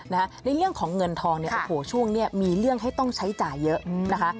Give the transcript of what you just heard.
ในเรื่องของเงินทองเนี่ยโอ้โหช่วงนี้มีเรื่องให้ต้องใช้จ่ายเยอะนะคะ